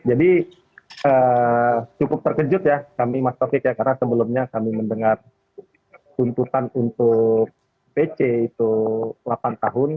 jadi cukup terkejut ya kami mas taufik karena sebelumnya kami mendengar tuntutan untuk pc itu delapan tahun